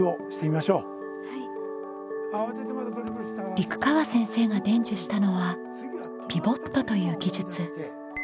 陸川先生が伝授したのはピボットという技術。